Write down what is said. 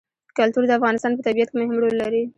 کلتور د افغانستان په طبیعت کې مهم رول لري.